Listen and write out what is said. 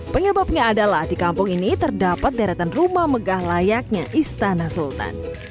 penyebabnya adalah di kampung ini terdapat deretan rumah megah layaknya istana sultan